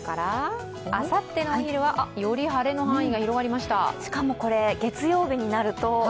あさってのお昼は、より晴れの範囲が広がりました。